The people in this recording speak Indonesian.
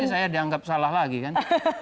ini saya dianggap salah lagi kan